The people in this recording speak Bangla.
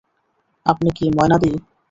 আপনি কী মায়ানদি?